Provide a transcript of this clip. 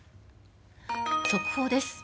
速報です。